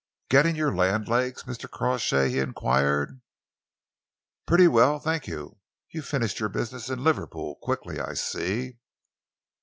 "Getting your land legs, Mr. Crawshay?" he enquired. "Pretty well, thank you. You finished your business in Liverpool quickly, I see."